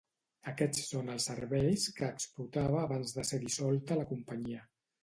Aquests són els serveis que explotava abans de ser dissolta la companyia.